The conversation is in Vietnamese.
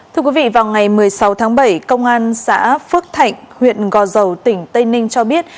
thưa quý vị vào ngày một mươi sáu tháng bảy công an xã phước thạnh huyện gò dầu tỉnh tây ninh cho biết